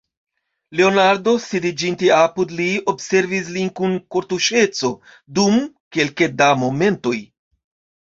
Leonardo, sidiĝinte apud li, observis lin kun kortuŝeco dum kelke da momentoj.